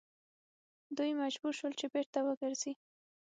دوی مجبور شول چې بیرته وګرځي.